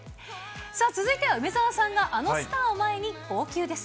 続いては梅澤さんがあのスターを前に号泣です。